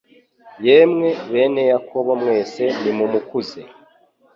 Yemwe bene Yakobo mwese nimumukuze